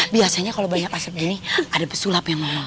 biasanya kalau banyak asap gini ada pesulap ya mama